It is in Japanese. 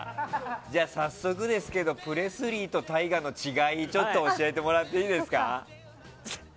じゃあ早速ですけどプレスリーとＴＡＩＧＡの違い教えてもらっていいですか。